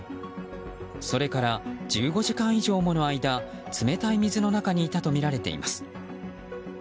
それから１５時間以上もの間冷たい水の中にいたとみられています。